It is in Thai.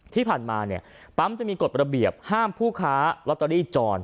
ที่ผ่านมาเนี่ยปั๊มจะมีกฎระเบียบห้ามผู้ค้าลอตเตอรี่จร